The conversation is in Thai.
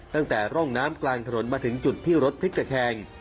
ตั้งแต่ร่องน้ำกลางถนนมาถึงจุดที่รถพลิกตะแคง